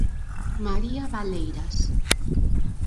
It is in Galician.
María Valeiras.